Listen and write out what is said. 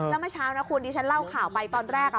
แล้วเมื่อเช้านะคุณที่ฉันเล่าข่าวไปตอนแรกอ่ะ